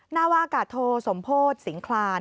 นาวากาศโทสมโพธิสิงคลาน